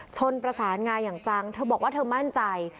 ชนประสานงาอย่างจังเธอบอกว่าเธอมั่นใจ